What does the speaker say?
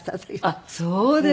あっそうですか。